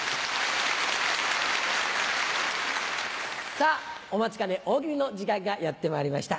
さぁお待ちかね大喜利の時間がやってまいりました。